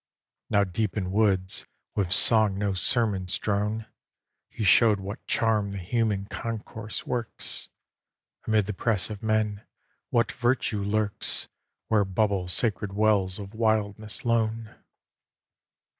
XXVIII Now deep in woods, with song no sermon's drone, He showed what charm the human concourse works: Amid the press of men, what virtue lurks Where bubble sacred wells of wildness lone.